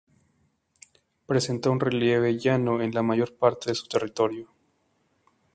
Presenta un relieve llano en la mayor parte de su territorio.